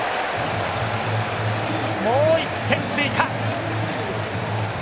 もう１点追加！